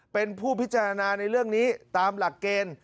เป็นผู้พิจารณาในเรื่องนี้ตามหลักเกณฑ์